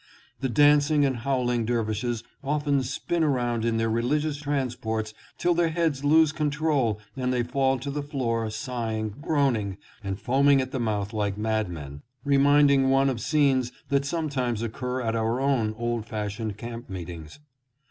The dancing and howl ing dervishes often spin around in their religious trans ports till their heads lose control and they fall to the floor sighing, groaning, and foaming at the mouth like madmen, reminding one of scenes that sometimes occur at our own old fashioned camp meetings.